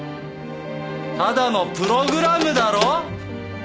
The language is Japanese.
ただのプログラムだろ？